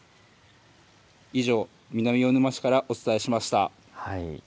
以上、南魚沼市からお伝えしました。